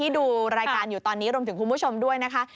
ดูลงถึงคุณผู้ชมด้วยนะคะ